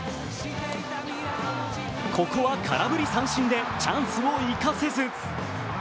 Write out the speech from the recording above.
ここは空振り三振でチャンスを生かせず。